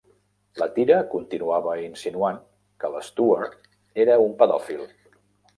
La tira continuava insinuant que l'Stewart era un pedòfil.